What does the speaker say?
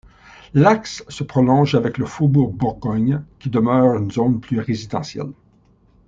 L'axe se prolonge avec le Faubourg Bourgogne, qui demeure une zone plus résidentielle.